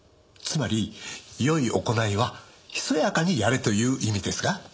つまり善い行いは密やかにやれという意味ですが。